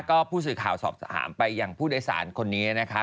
ก็ผู้สื่อข่าวสอบถามไปอย่างผู้โดยสารคนนี้นะคะ